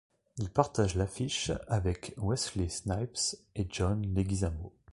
Il partage l'affiche avec Wesley Snipes et John Leguizamo.